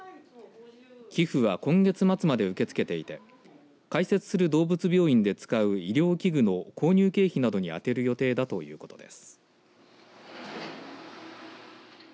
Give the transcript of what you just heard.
寄付は今月末まで受け付けていて開設する動物病院で使う医療器具の購入経費などに充てる予定だということです。